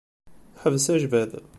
Ḥbes ajbad.